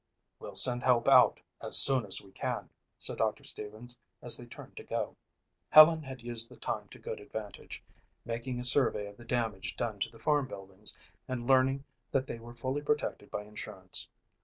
"We'll send help out as soon as we can," said Doctor Stevens as they turned to go. Helen had used the time to good advantage, making a survey of the damage done to the farm buildings and learning that they were fully protected by insurance.